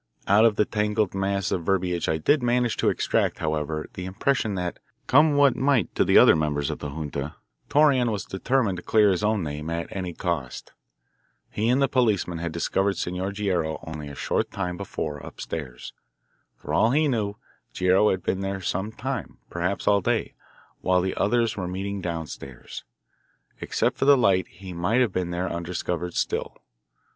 Out of the tangled mass of verbiage I did manage to extract, however, the impression that, come what might to the other members of the junta, Torreon was determined to clear his own name at any cost. He and the policeman had discovered Senor Guerrero only a short time before, up stairs. For all he knew, Guerrero had been there some time, perhaps all day, while the others were meeting down stairs. Except for the light he might have been there undiscovered still.